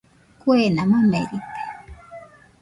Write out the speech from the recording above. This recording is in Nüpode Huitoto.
Kuena mamerite.